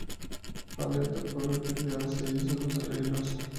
Felder tocó los teclados e hizo los arreglos.